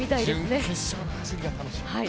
準決勝の走りが楽しみです。